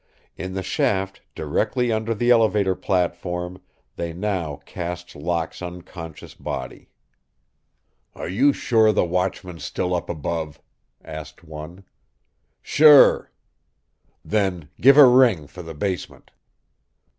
In the shaft, directly under the elevator platform, they now cast Locke's unconscious body. "Are you sure the watchman's still up above?" asked one. "Sure." "Then give a ring for the basement."